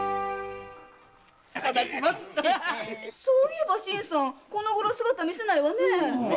そういえば新さんこのごろ姿を見せないわね。